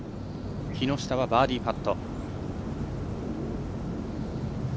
木下、バーディーパット。